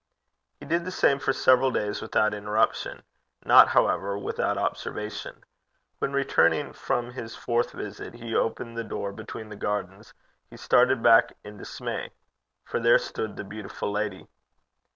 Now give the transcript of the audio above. He did the same for several days without interruption not, however, without observation. When, returning from his fourth visit, he opened the door between the gardens, he started back in dismay, for there stood the beautiful lady.